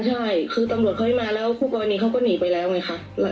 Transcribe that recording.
ใช่คือตำรวจเขาให้มาแล้วคู่กรณีเขาก็หนีไปแล้วไงคะ